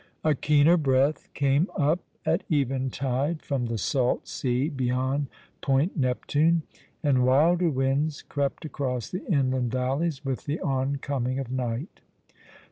A keener breath came up at eventide from the salt sea beyond Point Neptune, and wilder winds crept across the inland valleys with the on coming of night.